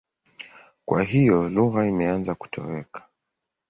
Kwa hiyo lugha imeanza kutoweka.